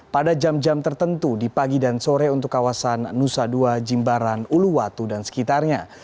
pada jam jam tertentu di pagi dan sore untuk kawasan nusa dua jimbaran uluwatu dan sekitarnya